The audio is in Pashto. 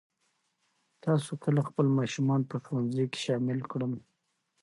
تاسو کله خپل ماشومان په ښوونځي کې شامل کړل؟